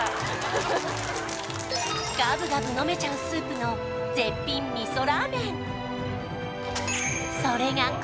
ガブガブ飲めちゃうスープの絶品味噌ラーメン